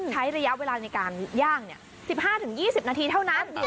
ใช้ระยะเวลาในการย่าง๑๕๒๐นาทีเท่านั้น